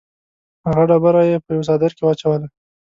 هغه ډبره یې په یوه څادر کې واچوله.